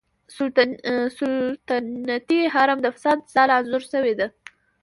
سلطنتي حرم د فساد ځاله انځور شوې ده.